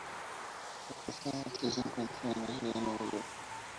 La casa matriz se encuentra en la Ciudad de Nueva York.